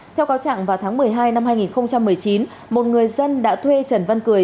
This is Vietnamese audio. theo cáo trạng vào tháng một mươi hai năm hai nghìn một mươi chín một người dân đã thuê trần văn cười